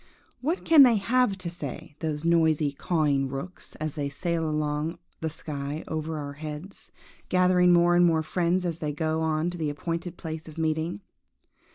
– What can they have to say, those noisy, cawing rooks, as they sail along the sky over our heads, gathering more and more friends as they go on to the appointed place of meeting?